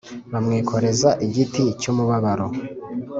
bamwikoreza igiti cy umubabaro